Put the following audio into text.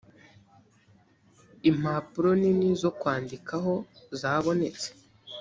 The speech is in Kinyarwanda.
impapuro nini zo kwandikaho zabonetse